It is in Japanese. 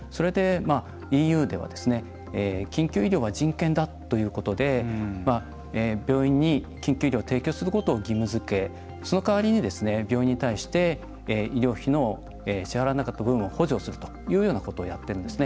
ＥＵでは緊急医療は人権だということで病院に緊急医療を提供することを義務づけその代わりに病院に対して医療費の支払わなかった分を補助するというようなことをやっているんですね。